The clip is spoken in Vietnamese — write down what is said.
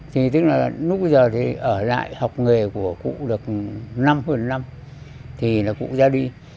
thì tức là lúc bây giờ thì ở lại học nghề của cụ được năm một mươi năm thì là cụ ra đi